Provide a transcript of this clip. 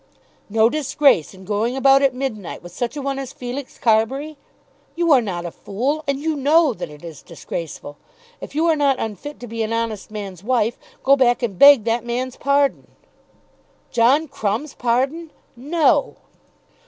"No disgrace in going about at midnight with such a one as Felix Carbury? You are not a fool, and you know that it is disgraceful. If you are not unfit to be an honest man's wife, go back and beg that man's pardon." "John Crumb's pardon! No!"